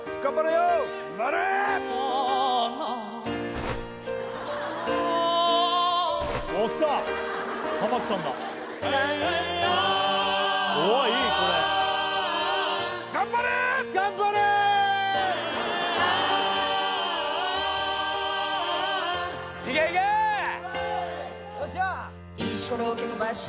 ・よっしゃ！